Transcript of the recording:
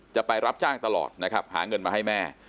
จะไปรับจ้างตลอดนะครับหาเงินมาให้แม่